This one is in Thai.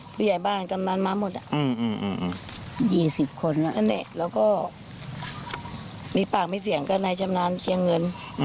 ผู้ใหญ่บ้านกำนันมาหมด๒๐คนแล้วก็มีปากมีเสียงก็นายชำนาญเชียงเงิน